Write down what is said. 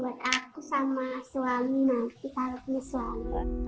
buat aku sama suami nanti kalau punya suami